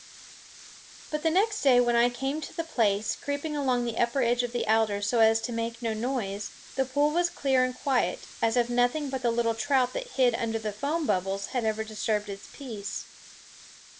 But the next day when I came to the place, creeping along the upper edge of the alders so as to make no noise, the pool was clear and quiet, as if nothing but the little trout that hid under the foam bubbles had ever disturbed its peace.